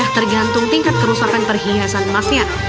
tergantung tingkat kerusakan perhiasan emasnya